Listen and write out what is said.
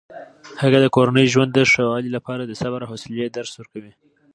هغه د کورني ژوند د ښه والي لپاره د صبر او حوصلې درس ورکوي.